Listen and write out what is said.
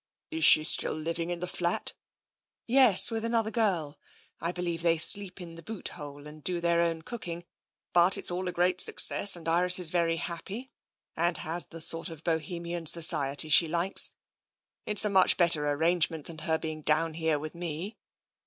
" Is she still living in the flat? "" Yes, with another girl. I believe they sleep in the boot hole and do their own cooking, but it's all a great success, and Iris is very happy, and has the sort of Bohemian society she likes. It is a much better arrangement than her being down here with me.